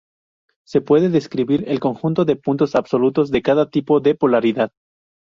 Se puede describir el conjunto de puntos absolutos de cada tipo de polaridad.